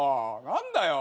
何だよ。